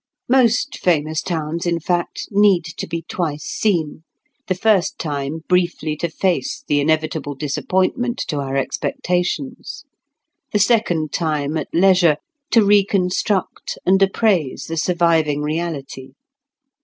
Most famous towns, in fact, need to be twice seen: the first time briefly to face the inevitable disappointment to our expectations; the second time, at leisure, to reconstruct and appraise the surviving reality.